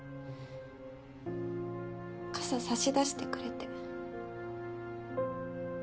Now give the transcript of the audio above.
傘差し出してくれて。